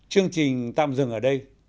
chương trình tạm dừng ở đây